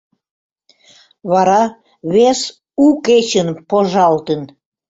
Вара, вес у кечын, пожалтын